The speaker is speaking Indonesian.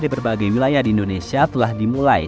di berbagai wilayah di indonesia telah dimulai